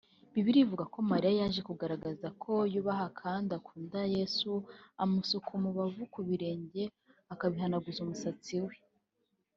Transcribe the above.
Bibiliya ivuga ko Mariya yaje kugaragaza ko yubaha kandi agakunda Yesu amusuka umubavu ku birenge akabihanaguza umusatsi we